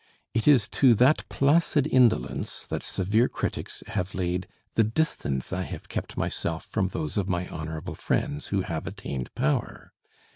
It is to that placid indolence that severe critics have laid the distance I have kept myself from those of my honorable friends who have attained power.